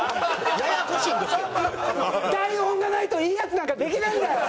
台本がないといいヤツなんかできないんだよ！